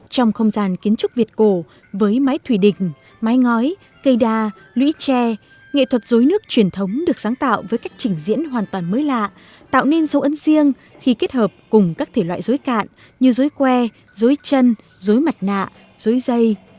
trong không gian kiến trúc việt cổ với mái thủy đình mái ngói cây đa lũy tre nghệ thuật dối nước truyền thống được sáng tạo với cách trình diễn hoàn toàn mới lạ tạo nên dấu ấn riêng khi kết hợp cùng các thể loại dối cạn như dối que dối chân dối mặt nạ dối dây